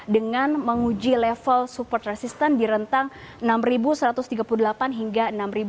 dengan menguji level support resistance di rentang enam ribu satu ratus tiga puluh delapan hingga enam ribu dua ratus sepuluh